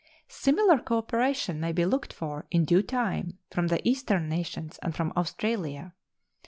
Similar cooperation may be looked for in due time from the Eastern nations and from Australia.